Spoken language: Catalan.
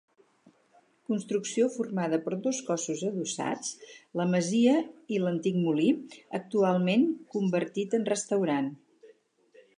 Construcció formada per dos cossos adossats, la masia i l'antic molí, actualment convertir en restaurant.